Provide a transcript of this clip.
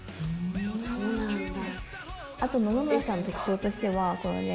そうなんだ。